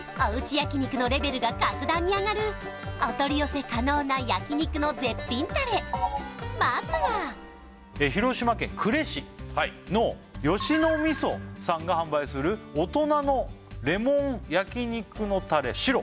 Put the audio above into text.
焼肉のレベルが格段に上がるお取り寄せ可能な焼肉の絶品タレまずは広島県呉市のよしの味噌さんが販売する大人のレモン焼肉のタレ白